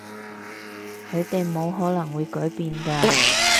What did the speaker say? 佢哋冇可能會改變㗎